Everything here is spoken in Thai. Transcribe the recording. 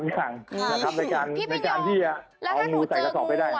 นะครับในการที่เอางูใส่กระสอบไปได้พี่พินโยมแล้วถ้าหนูเจองูอ่ะ